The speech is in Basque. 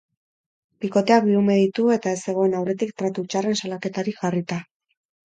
Bikoteak bi ume ditu eta ez zegoen aurretik tratu txarren salaketarik jarrita.